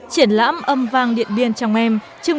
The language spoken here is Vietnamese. triển lãm âm vang điện biên trong em